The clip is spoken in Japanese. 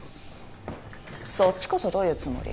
そっちこそどういうつもり？